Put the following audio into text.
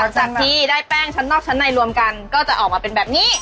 จากที่ได้แป้งชั้นนอกชั้นในรวมกันก็จะออกมาเป็นแบบนี้